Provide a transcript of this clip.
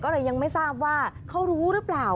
ก็เลยยังไม่ทราบว่าเขารู้หรือเปล่า